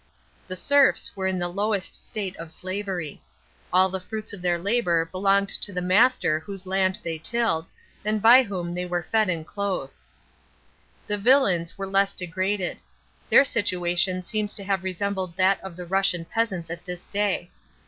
The SERFS were in the lowest state of slavery. All the fruits of their labor belonged to the master whose land they tilled, and by whom they were fed and clothed. The VILLIANS were less degraded. Their situation seems to have resembled that of the Russian peasants at this day.